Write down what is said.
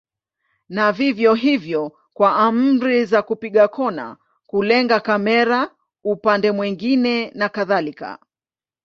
Ni vivyo hivyo kwa amri za kupiga kona, kulenga kamera upande mwingine na kadhalika.